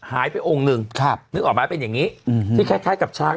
หายไปองค์นึงนึกออกมาเป็นอย่างนี้ที่คล้ายกับช้าง